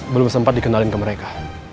belum sempat dikenalin ke mereka